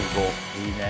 いいねぇ。